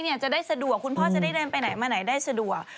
จะได้สะดวกคุณพ่อจะได้เดินไปไหนมาไหนได้สะดวก